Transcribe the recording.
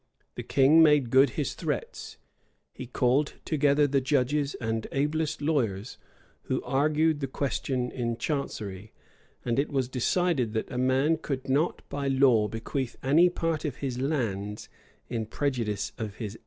The king made good his threats: he called together the judges and ablest lawyers, who argued the question in chancery; and it was decided that a man could not by law bequeath any part of his lands in prejudice of his heir.